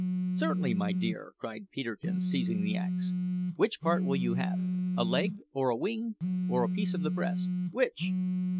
"Certainly, my dear," cried Peterkin, seizing the axe. "What part will you have? A leg, or a wing, or a piece of the breast which?"